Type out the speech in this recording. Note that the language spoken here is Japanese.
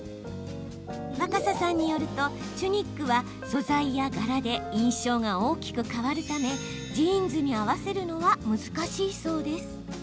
若狭さんによるとチュニックは素材や柄で印象が大きく変わるためジーンズに合わせるのは難しいそうです。